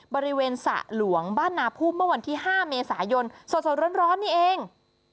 บริเวณสระหลวงบ้านนาผู้เมื่อวันที่๕เมษายนสดร้อนนี่เอง